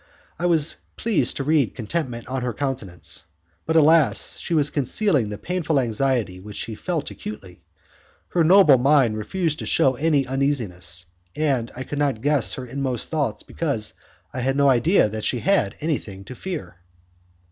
I was pleased to read contentment on her countenance, but, alas! she was concealing the painful anxiety which she felt acutely. Her noble mind refused to shew any uneasiness, and I could not guess her inmost thoughts because I had no idea that she had anything to fear.